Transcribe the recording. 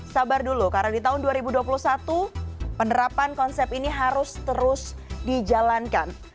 sabar dulu karena di tahun dua ribu dua puluh satu penerapan konsep ini harus terus dijalankan